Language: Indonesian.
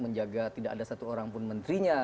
menjaga tidak ada satu orang pun menterinya